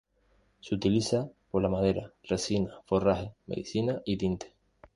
Se utiliza por la madera, resina, forraje, medicina y tinte.